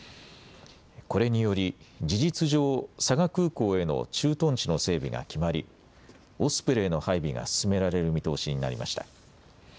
これにより事実上、佐賀空港への駐屯地の整備が決まりオスプレイの配備が進められる見通しになりました。